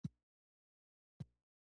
بې مسؤلیته لګښت راپور ورکړي.